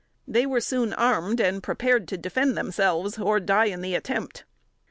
They were soon armed, and prepared to defend themselves or die in the attempt.